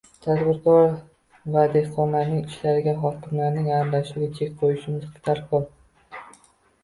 tadbirkor va dehqonlarning ishlariga hokimlarning aralashuviga chek qo‘yishimiz darkor.